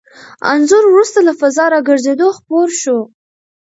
انځور وروسته له فضا راګرځېدو خپور شو.